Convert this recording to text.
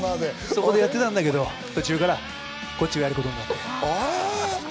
そこでやってたんだけど、途中からこっちをやることになって。